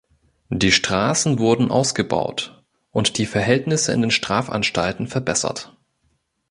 Die Straßen wurden ausgebaut und die Verhältnisse in den Strafanstalten verbessert.